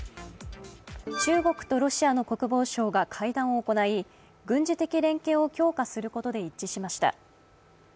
中国とロシアの国防相が会談を行い軍事的連携を強化することで一致しました。